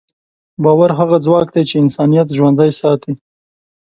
باور هغه ځواک دی چې انسانیت ژوندی ساتي.